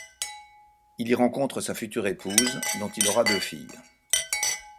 Il y rencontre sa future épouse dont il aura deux filles.